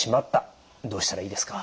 どうしたらいいですか？